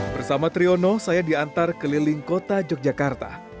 bersama triono saya diantar keliling kota yogyakarta